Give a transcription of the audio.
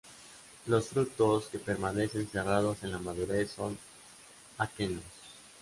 Los frutos, que permanecen cerrados en la madurez, son aquenios.